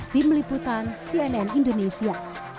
tim liputan cnn indonesia